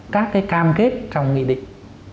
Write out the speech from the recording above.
các cái cam kết trong nghị định